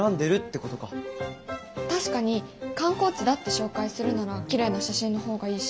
確かに観光地だって紹介するならきれいな写真の方がいいし。